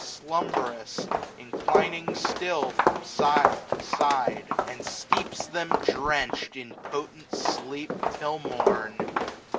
Slumbrous, inclining still from side to side ; And steeps them drench'd in potent sleep till morn.